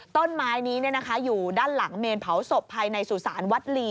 ต้นไม้นี้อยู่ด้านหลังเมนเผาศพภายในสุสานวัดลี